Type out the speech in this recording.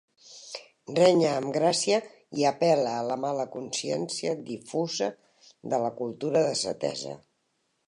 Renya amb gràcia i apel·la a la mala consciència difusa de la cultura desatesa.